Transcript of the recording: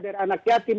dari anak yatim